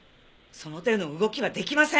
その手の動きはできません！